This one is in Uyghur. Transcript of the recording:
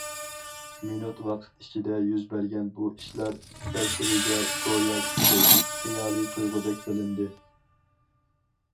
مىنۇت ۋاقىت ئىچىدە يۈز بەرگەن بۇ ئىشلار بەكرىگە گويا چۈشتەك، خىيالى تۇيغۇدەك بىلىندى.